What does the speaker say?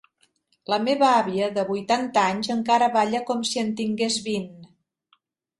La meva àvia de vuitanta anys encara balla com si en tingués vint.